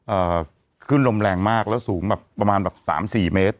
เอ่อขึ้นลมแรงมากแล้วสูงแบบประมาณแบบสามสี่เมตร